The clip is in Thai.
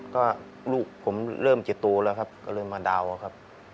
ก็ลูกผมเริ่มเจ็บตัวแล้วครับก็เริ่มมาดาวน์ครับ